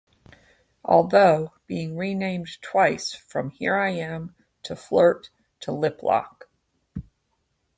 Although, being renamed twice from "Here I Am" to "Flirt" to "Lip Lock".